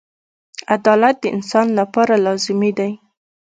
• عدالت د انسان لپاره لازمي دی.